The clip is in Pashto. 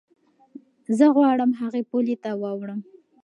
زه غواړم هغې پولې ته واوړم.